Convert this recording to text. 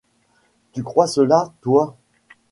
Tu crois cela, toi ?